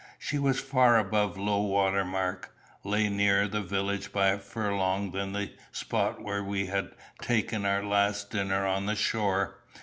She was far above low water mark lay nearer the village by a furlong than the spot where we had taken our last dinner on the shore.